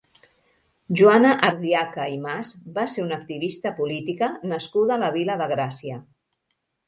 Joana Ardiaca i Mas va ser una activista política nascuda a la Vila de Gràcia.